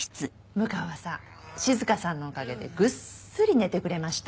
六川さん静さんのおかげでぐっすり寝てくれました。